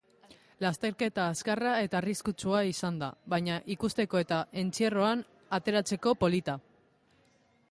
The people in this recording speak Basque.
Lasterkerta azkarra eta arriskutsua izan da, baina ikusteko eta entzierroan ateratzeko polita.